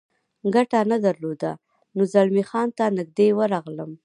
ګټه نه درلوده، نو زلمی خان ته نږدې ورغلم.